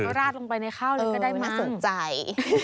ราดลงไปในข้าวเลยก็ได้มาสนใจ